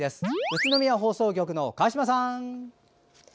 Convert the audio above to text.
宇都宮放送局の川島さん。